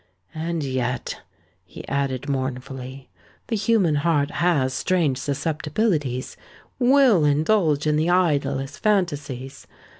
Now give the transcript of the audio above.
And yet," he added mournfully, "the human heart has strange susceptibilities—will indulge in the idlest phantasies!